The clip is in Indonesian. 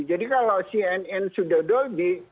jadi kalau cnn sudah dolby